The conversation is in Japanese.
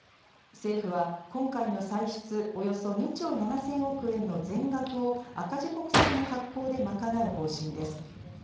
政府は今回の歳出、およそ２兆７０００億円の全額を赤字国債の発行でまかなう方針です。